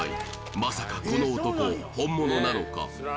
まさかこの男本物なのか？